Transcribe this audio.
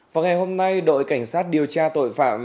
vào ngày hôm nay đội cảnh sát điều tra tội phạm